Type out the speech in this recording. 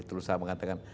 terus saya mengatakan